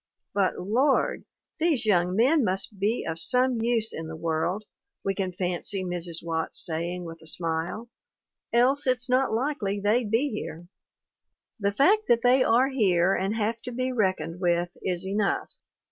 But Lord! these young men must be of some use in the world, we can fancy Mrs. Watts say ing with a smile, else it's not likely they'd be here! The fact that they are here and have to be reckoned with is enough.